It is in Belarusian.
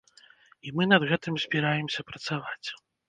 І мы над гэтым збіраемся працаваць.